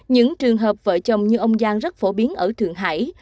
những trường hợp vợ chồng như ông giang rất phổ biến ở thượng hải